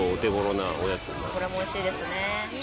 これも美味しいですねぇ。